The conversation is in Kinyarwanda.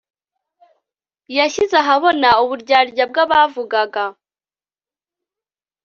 yashyize ahabona uburyarya bw'abavugaga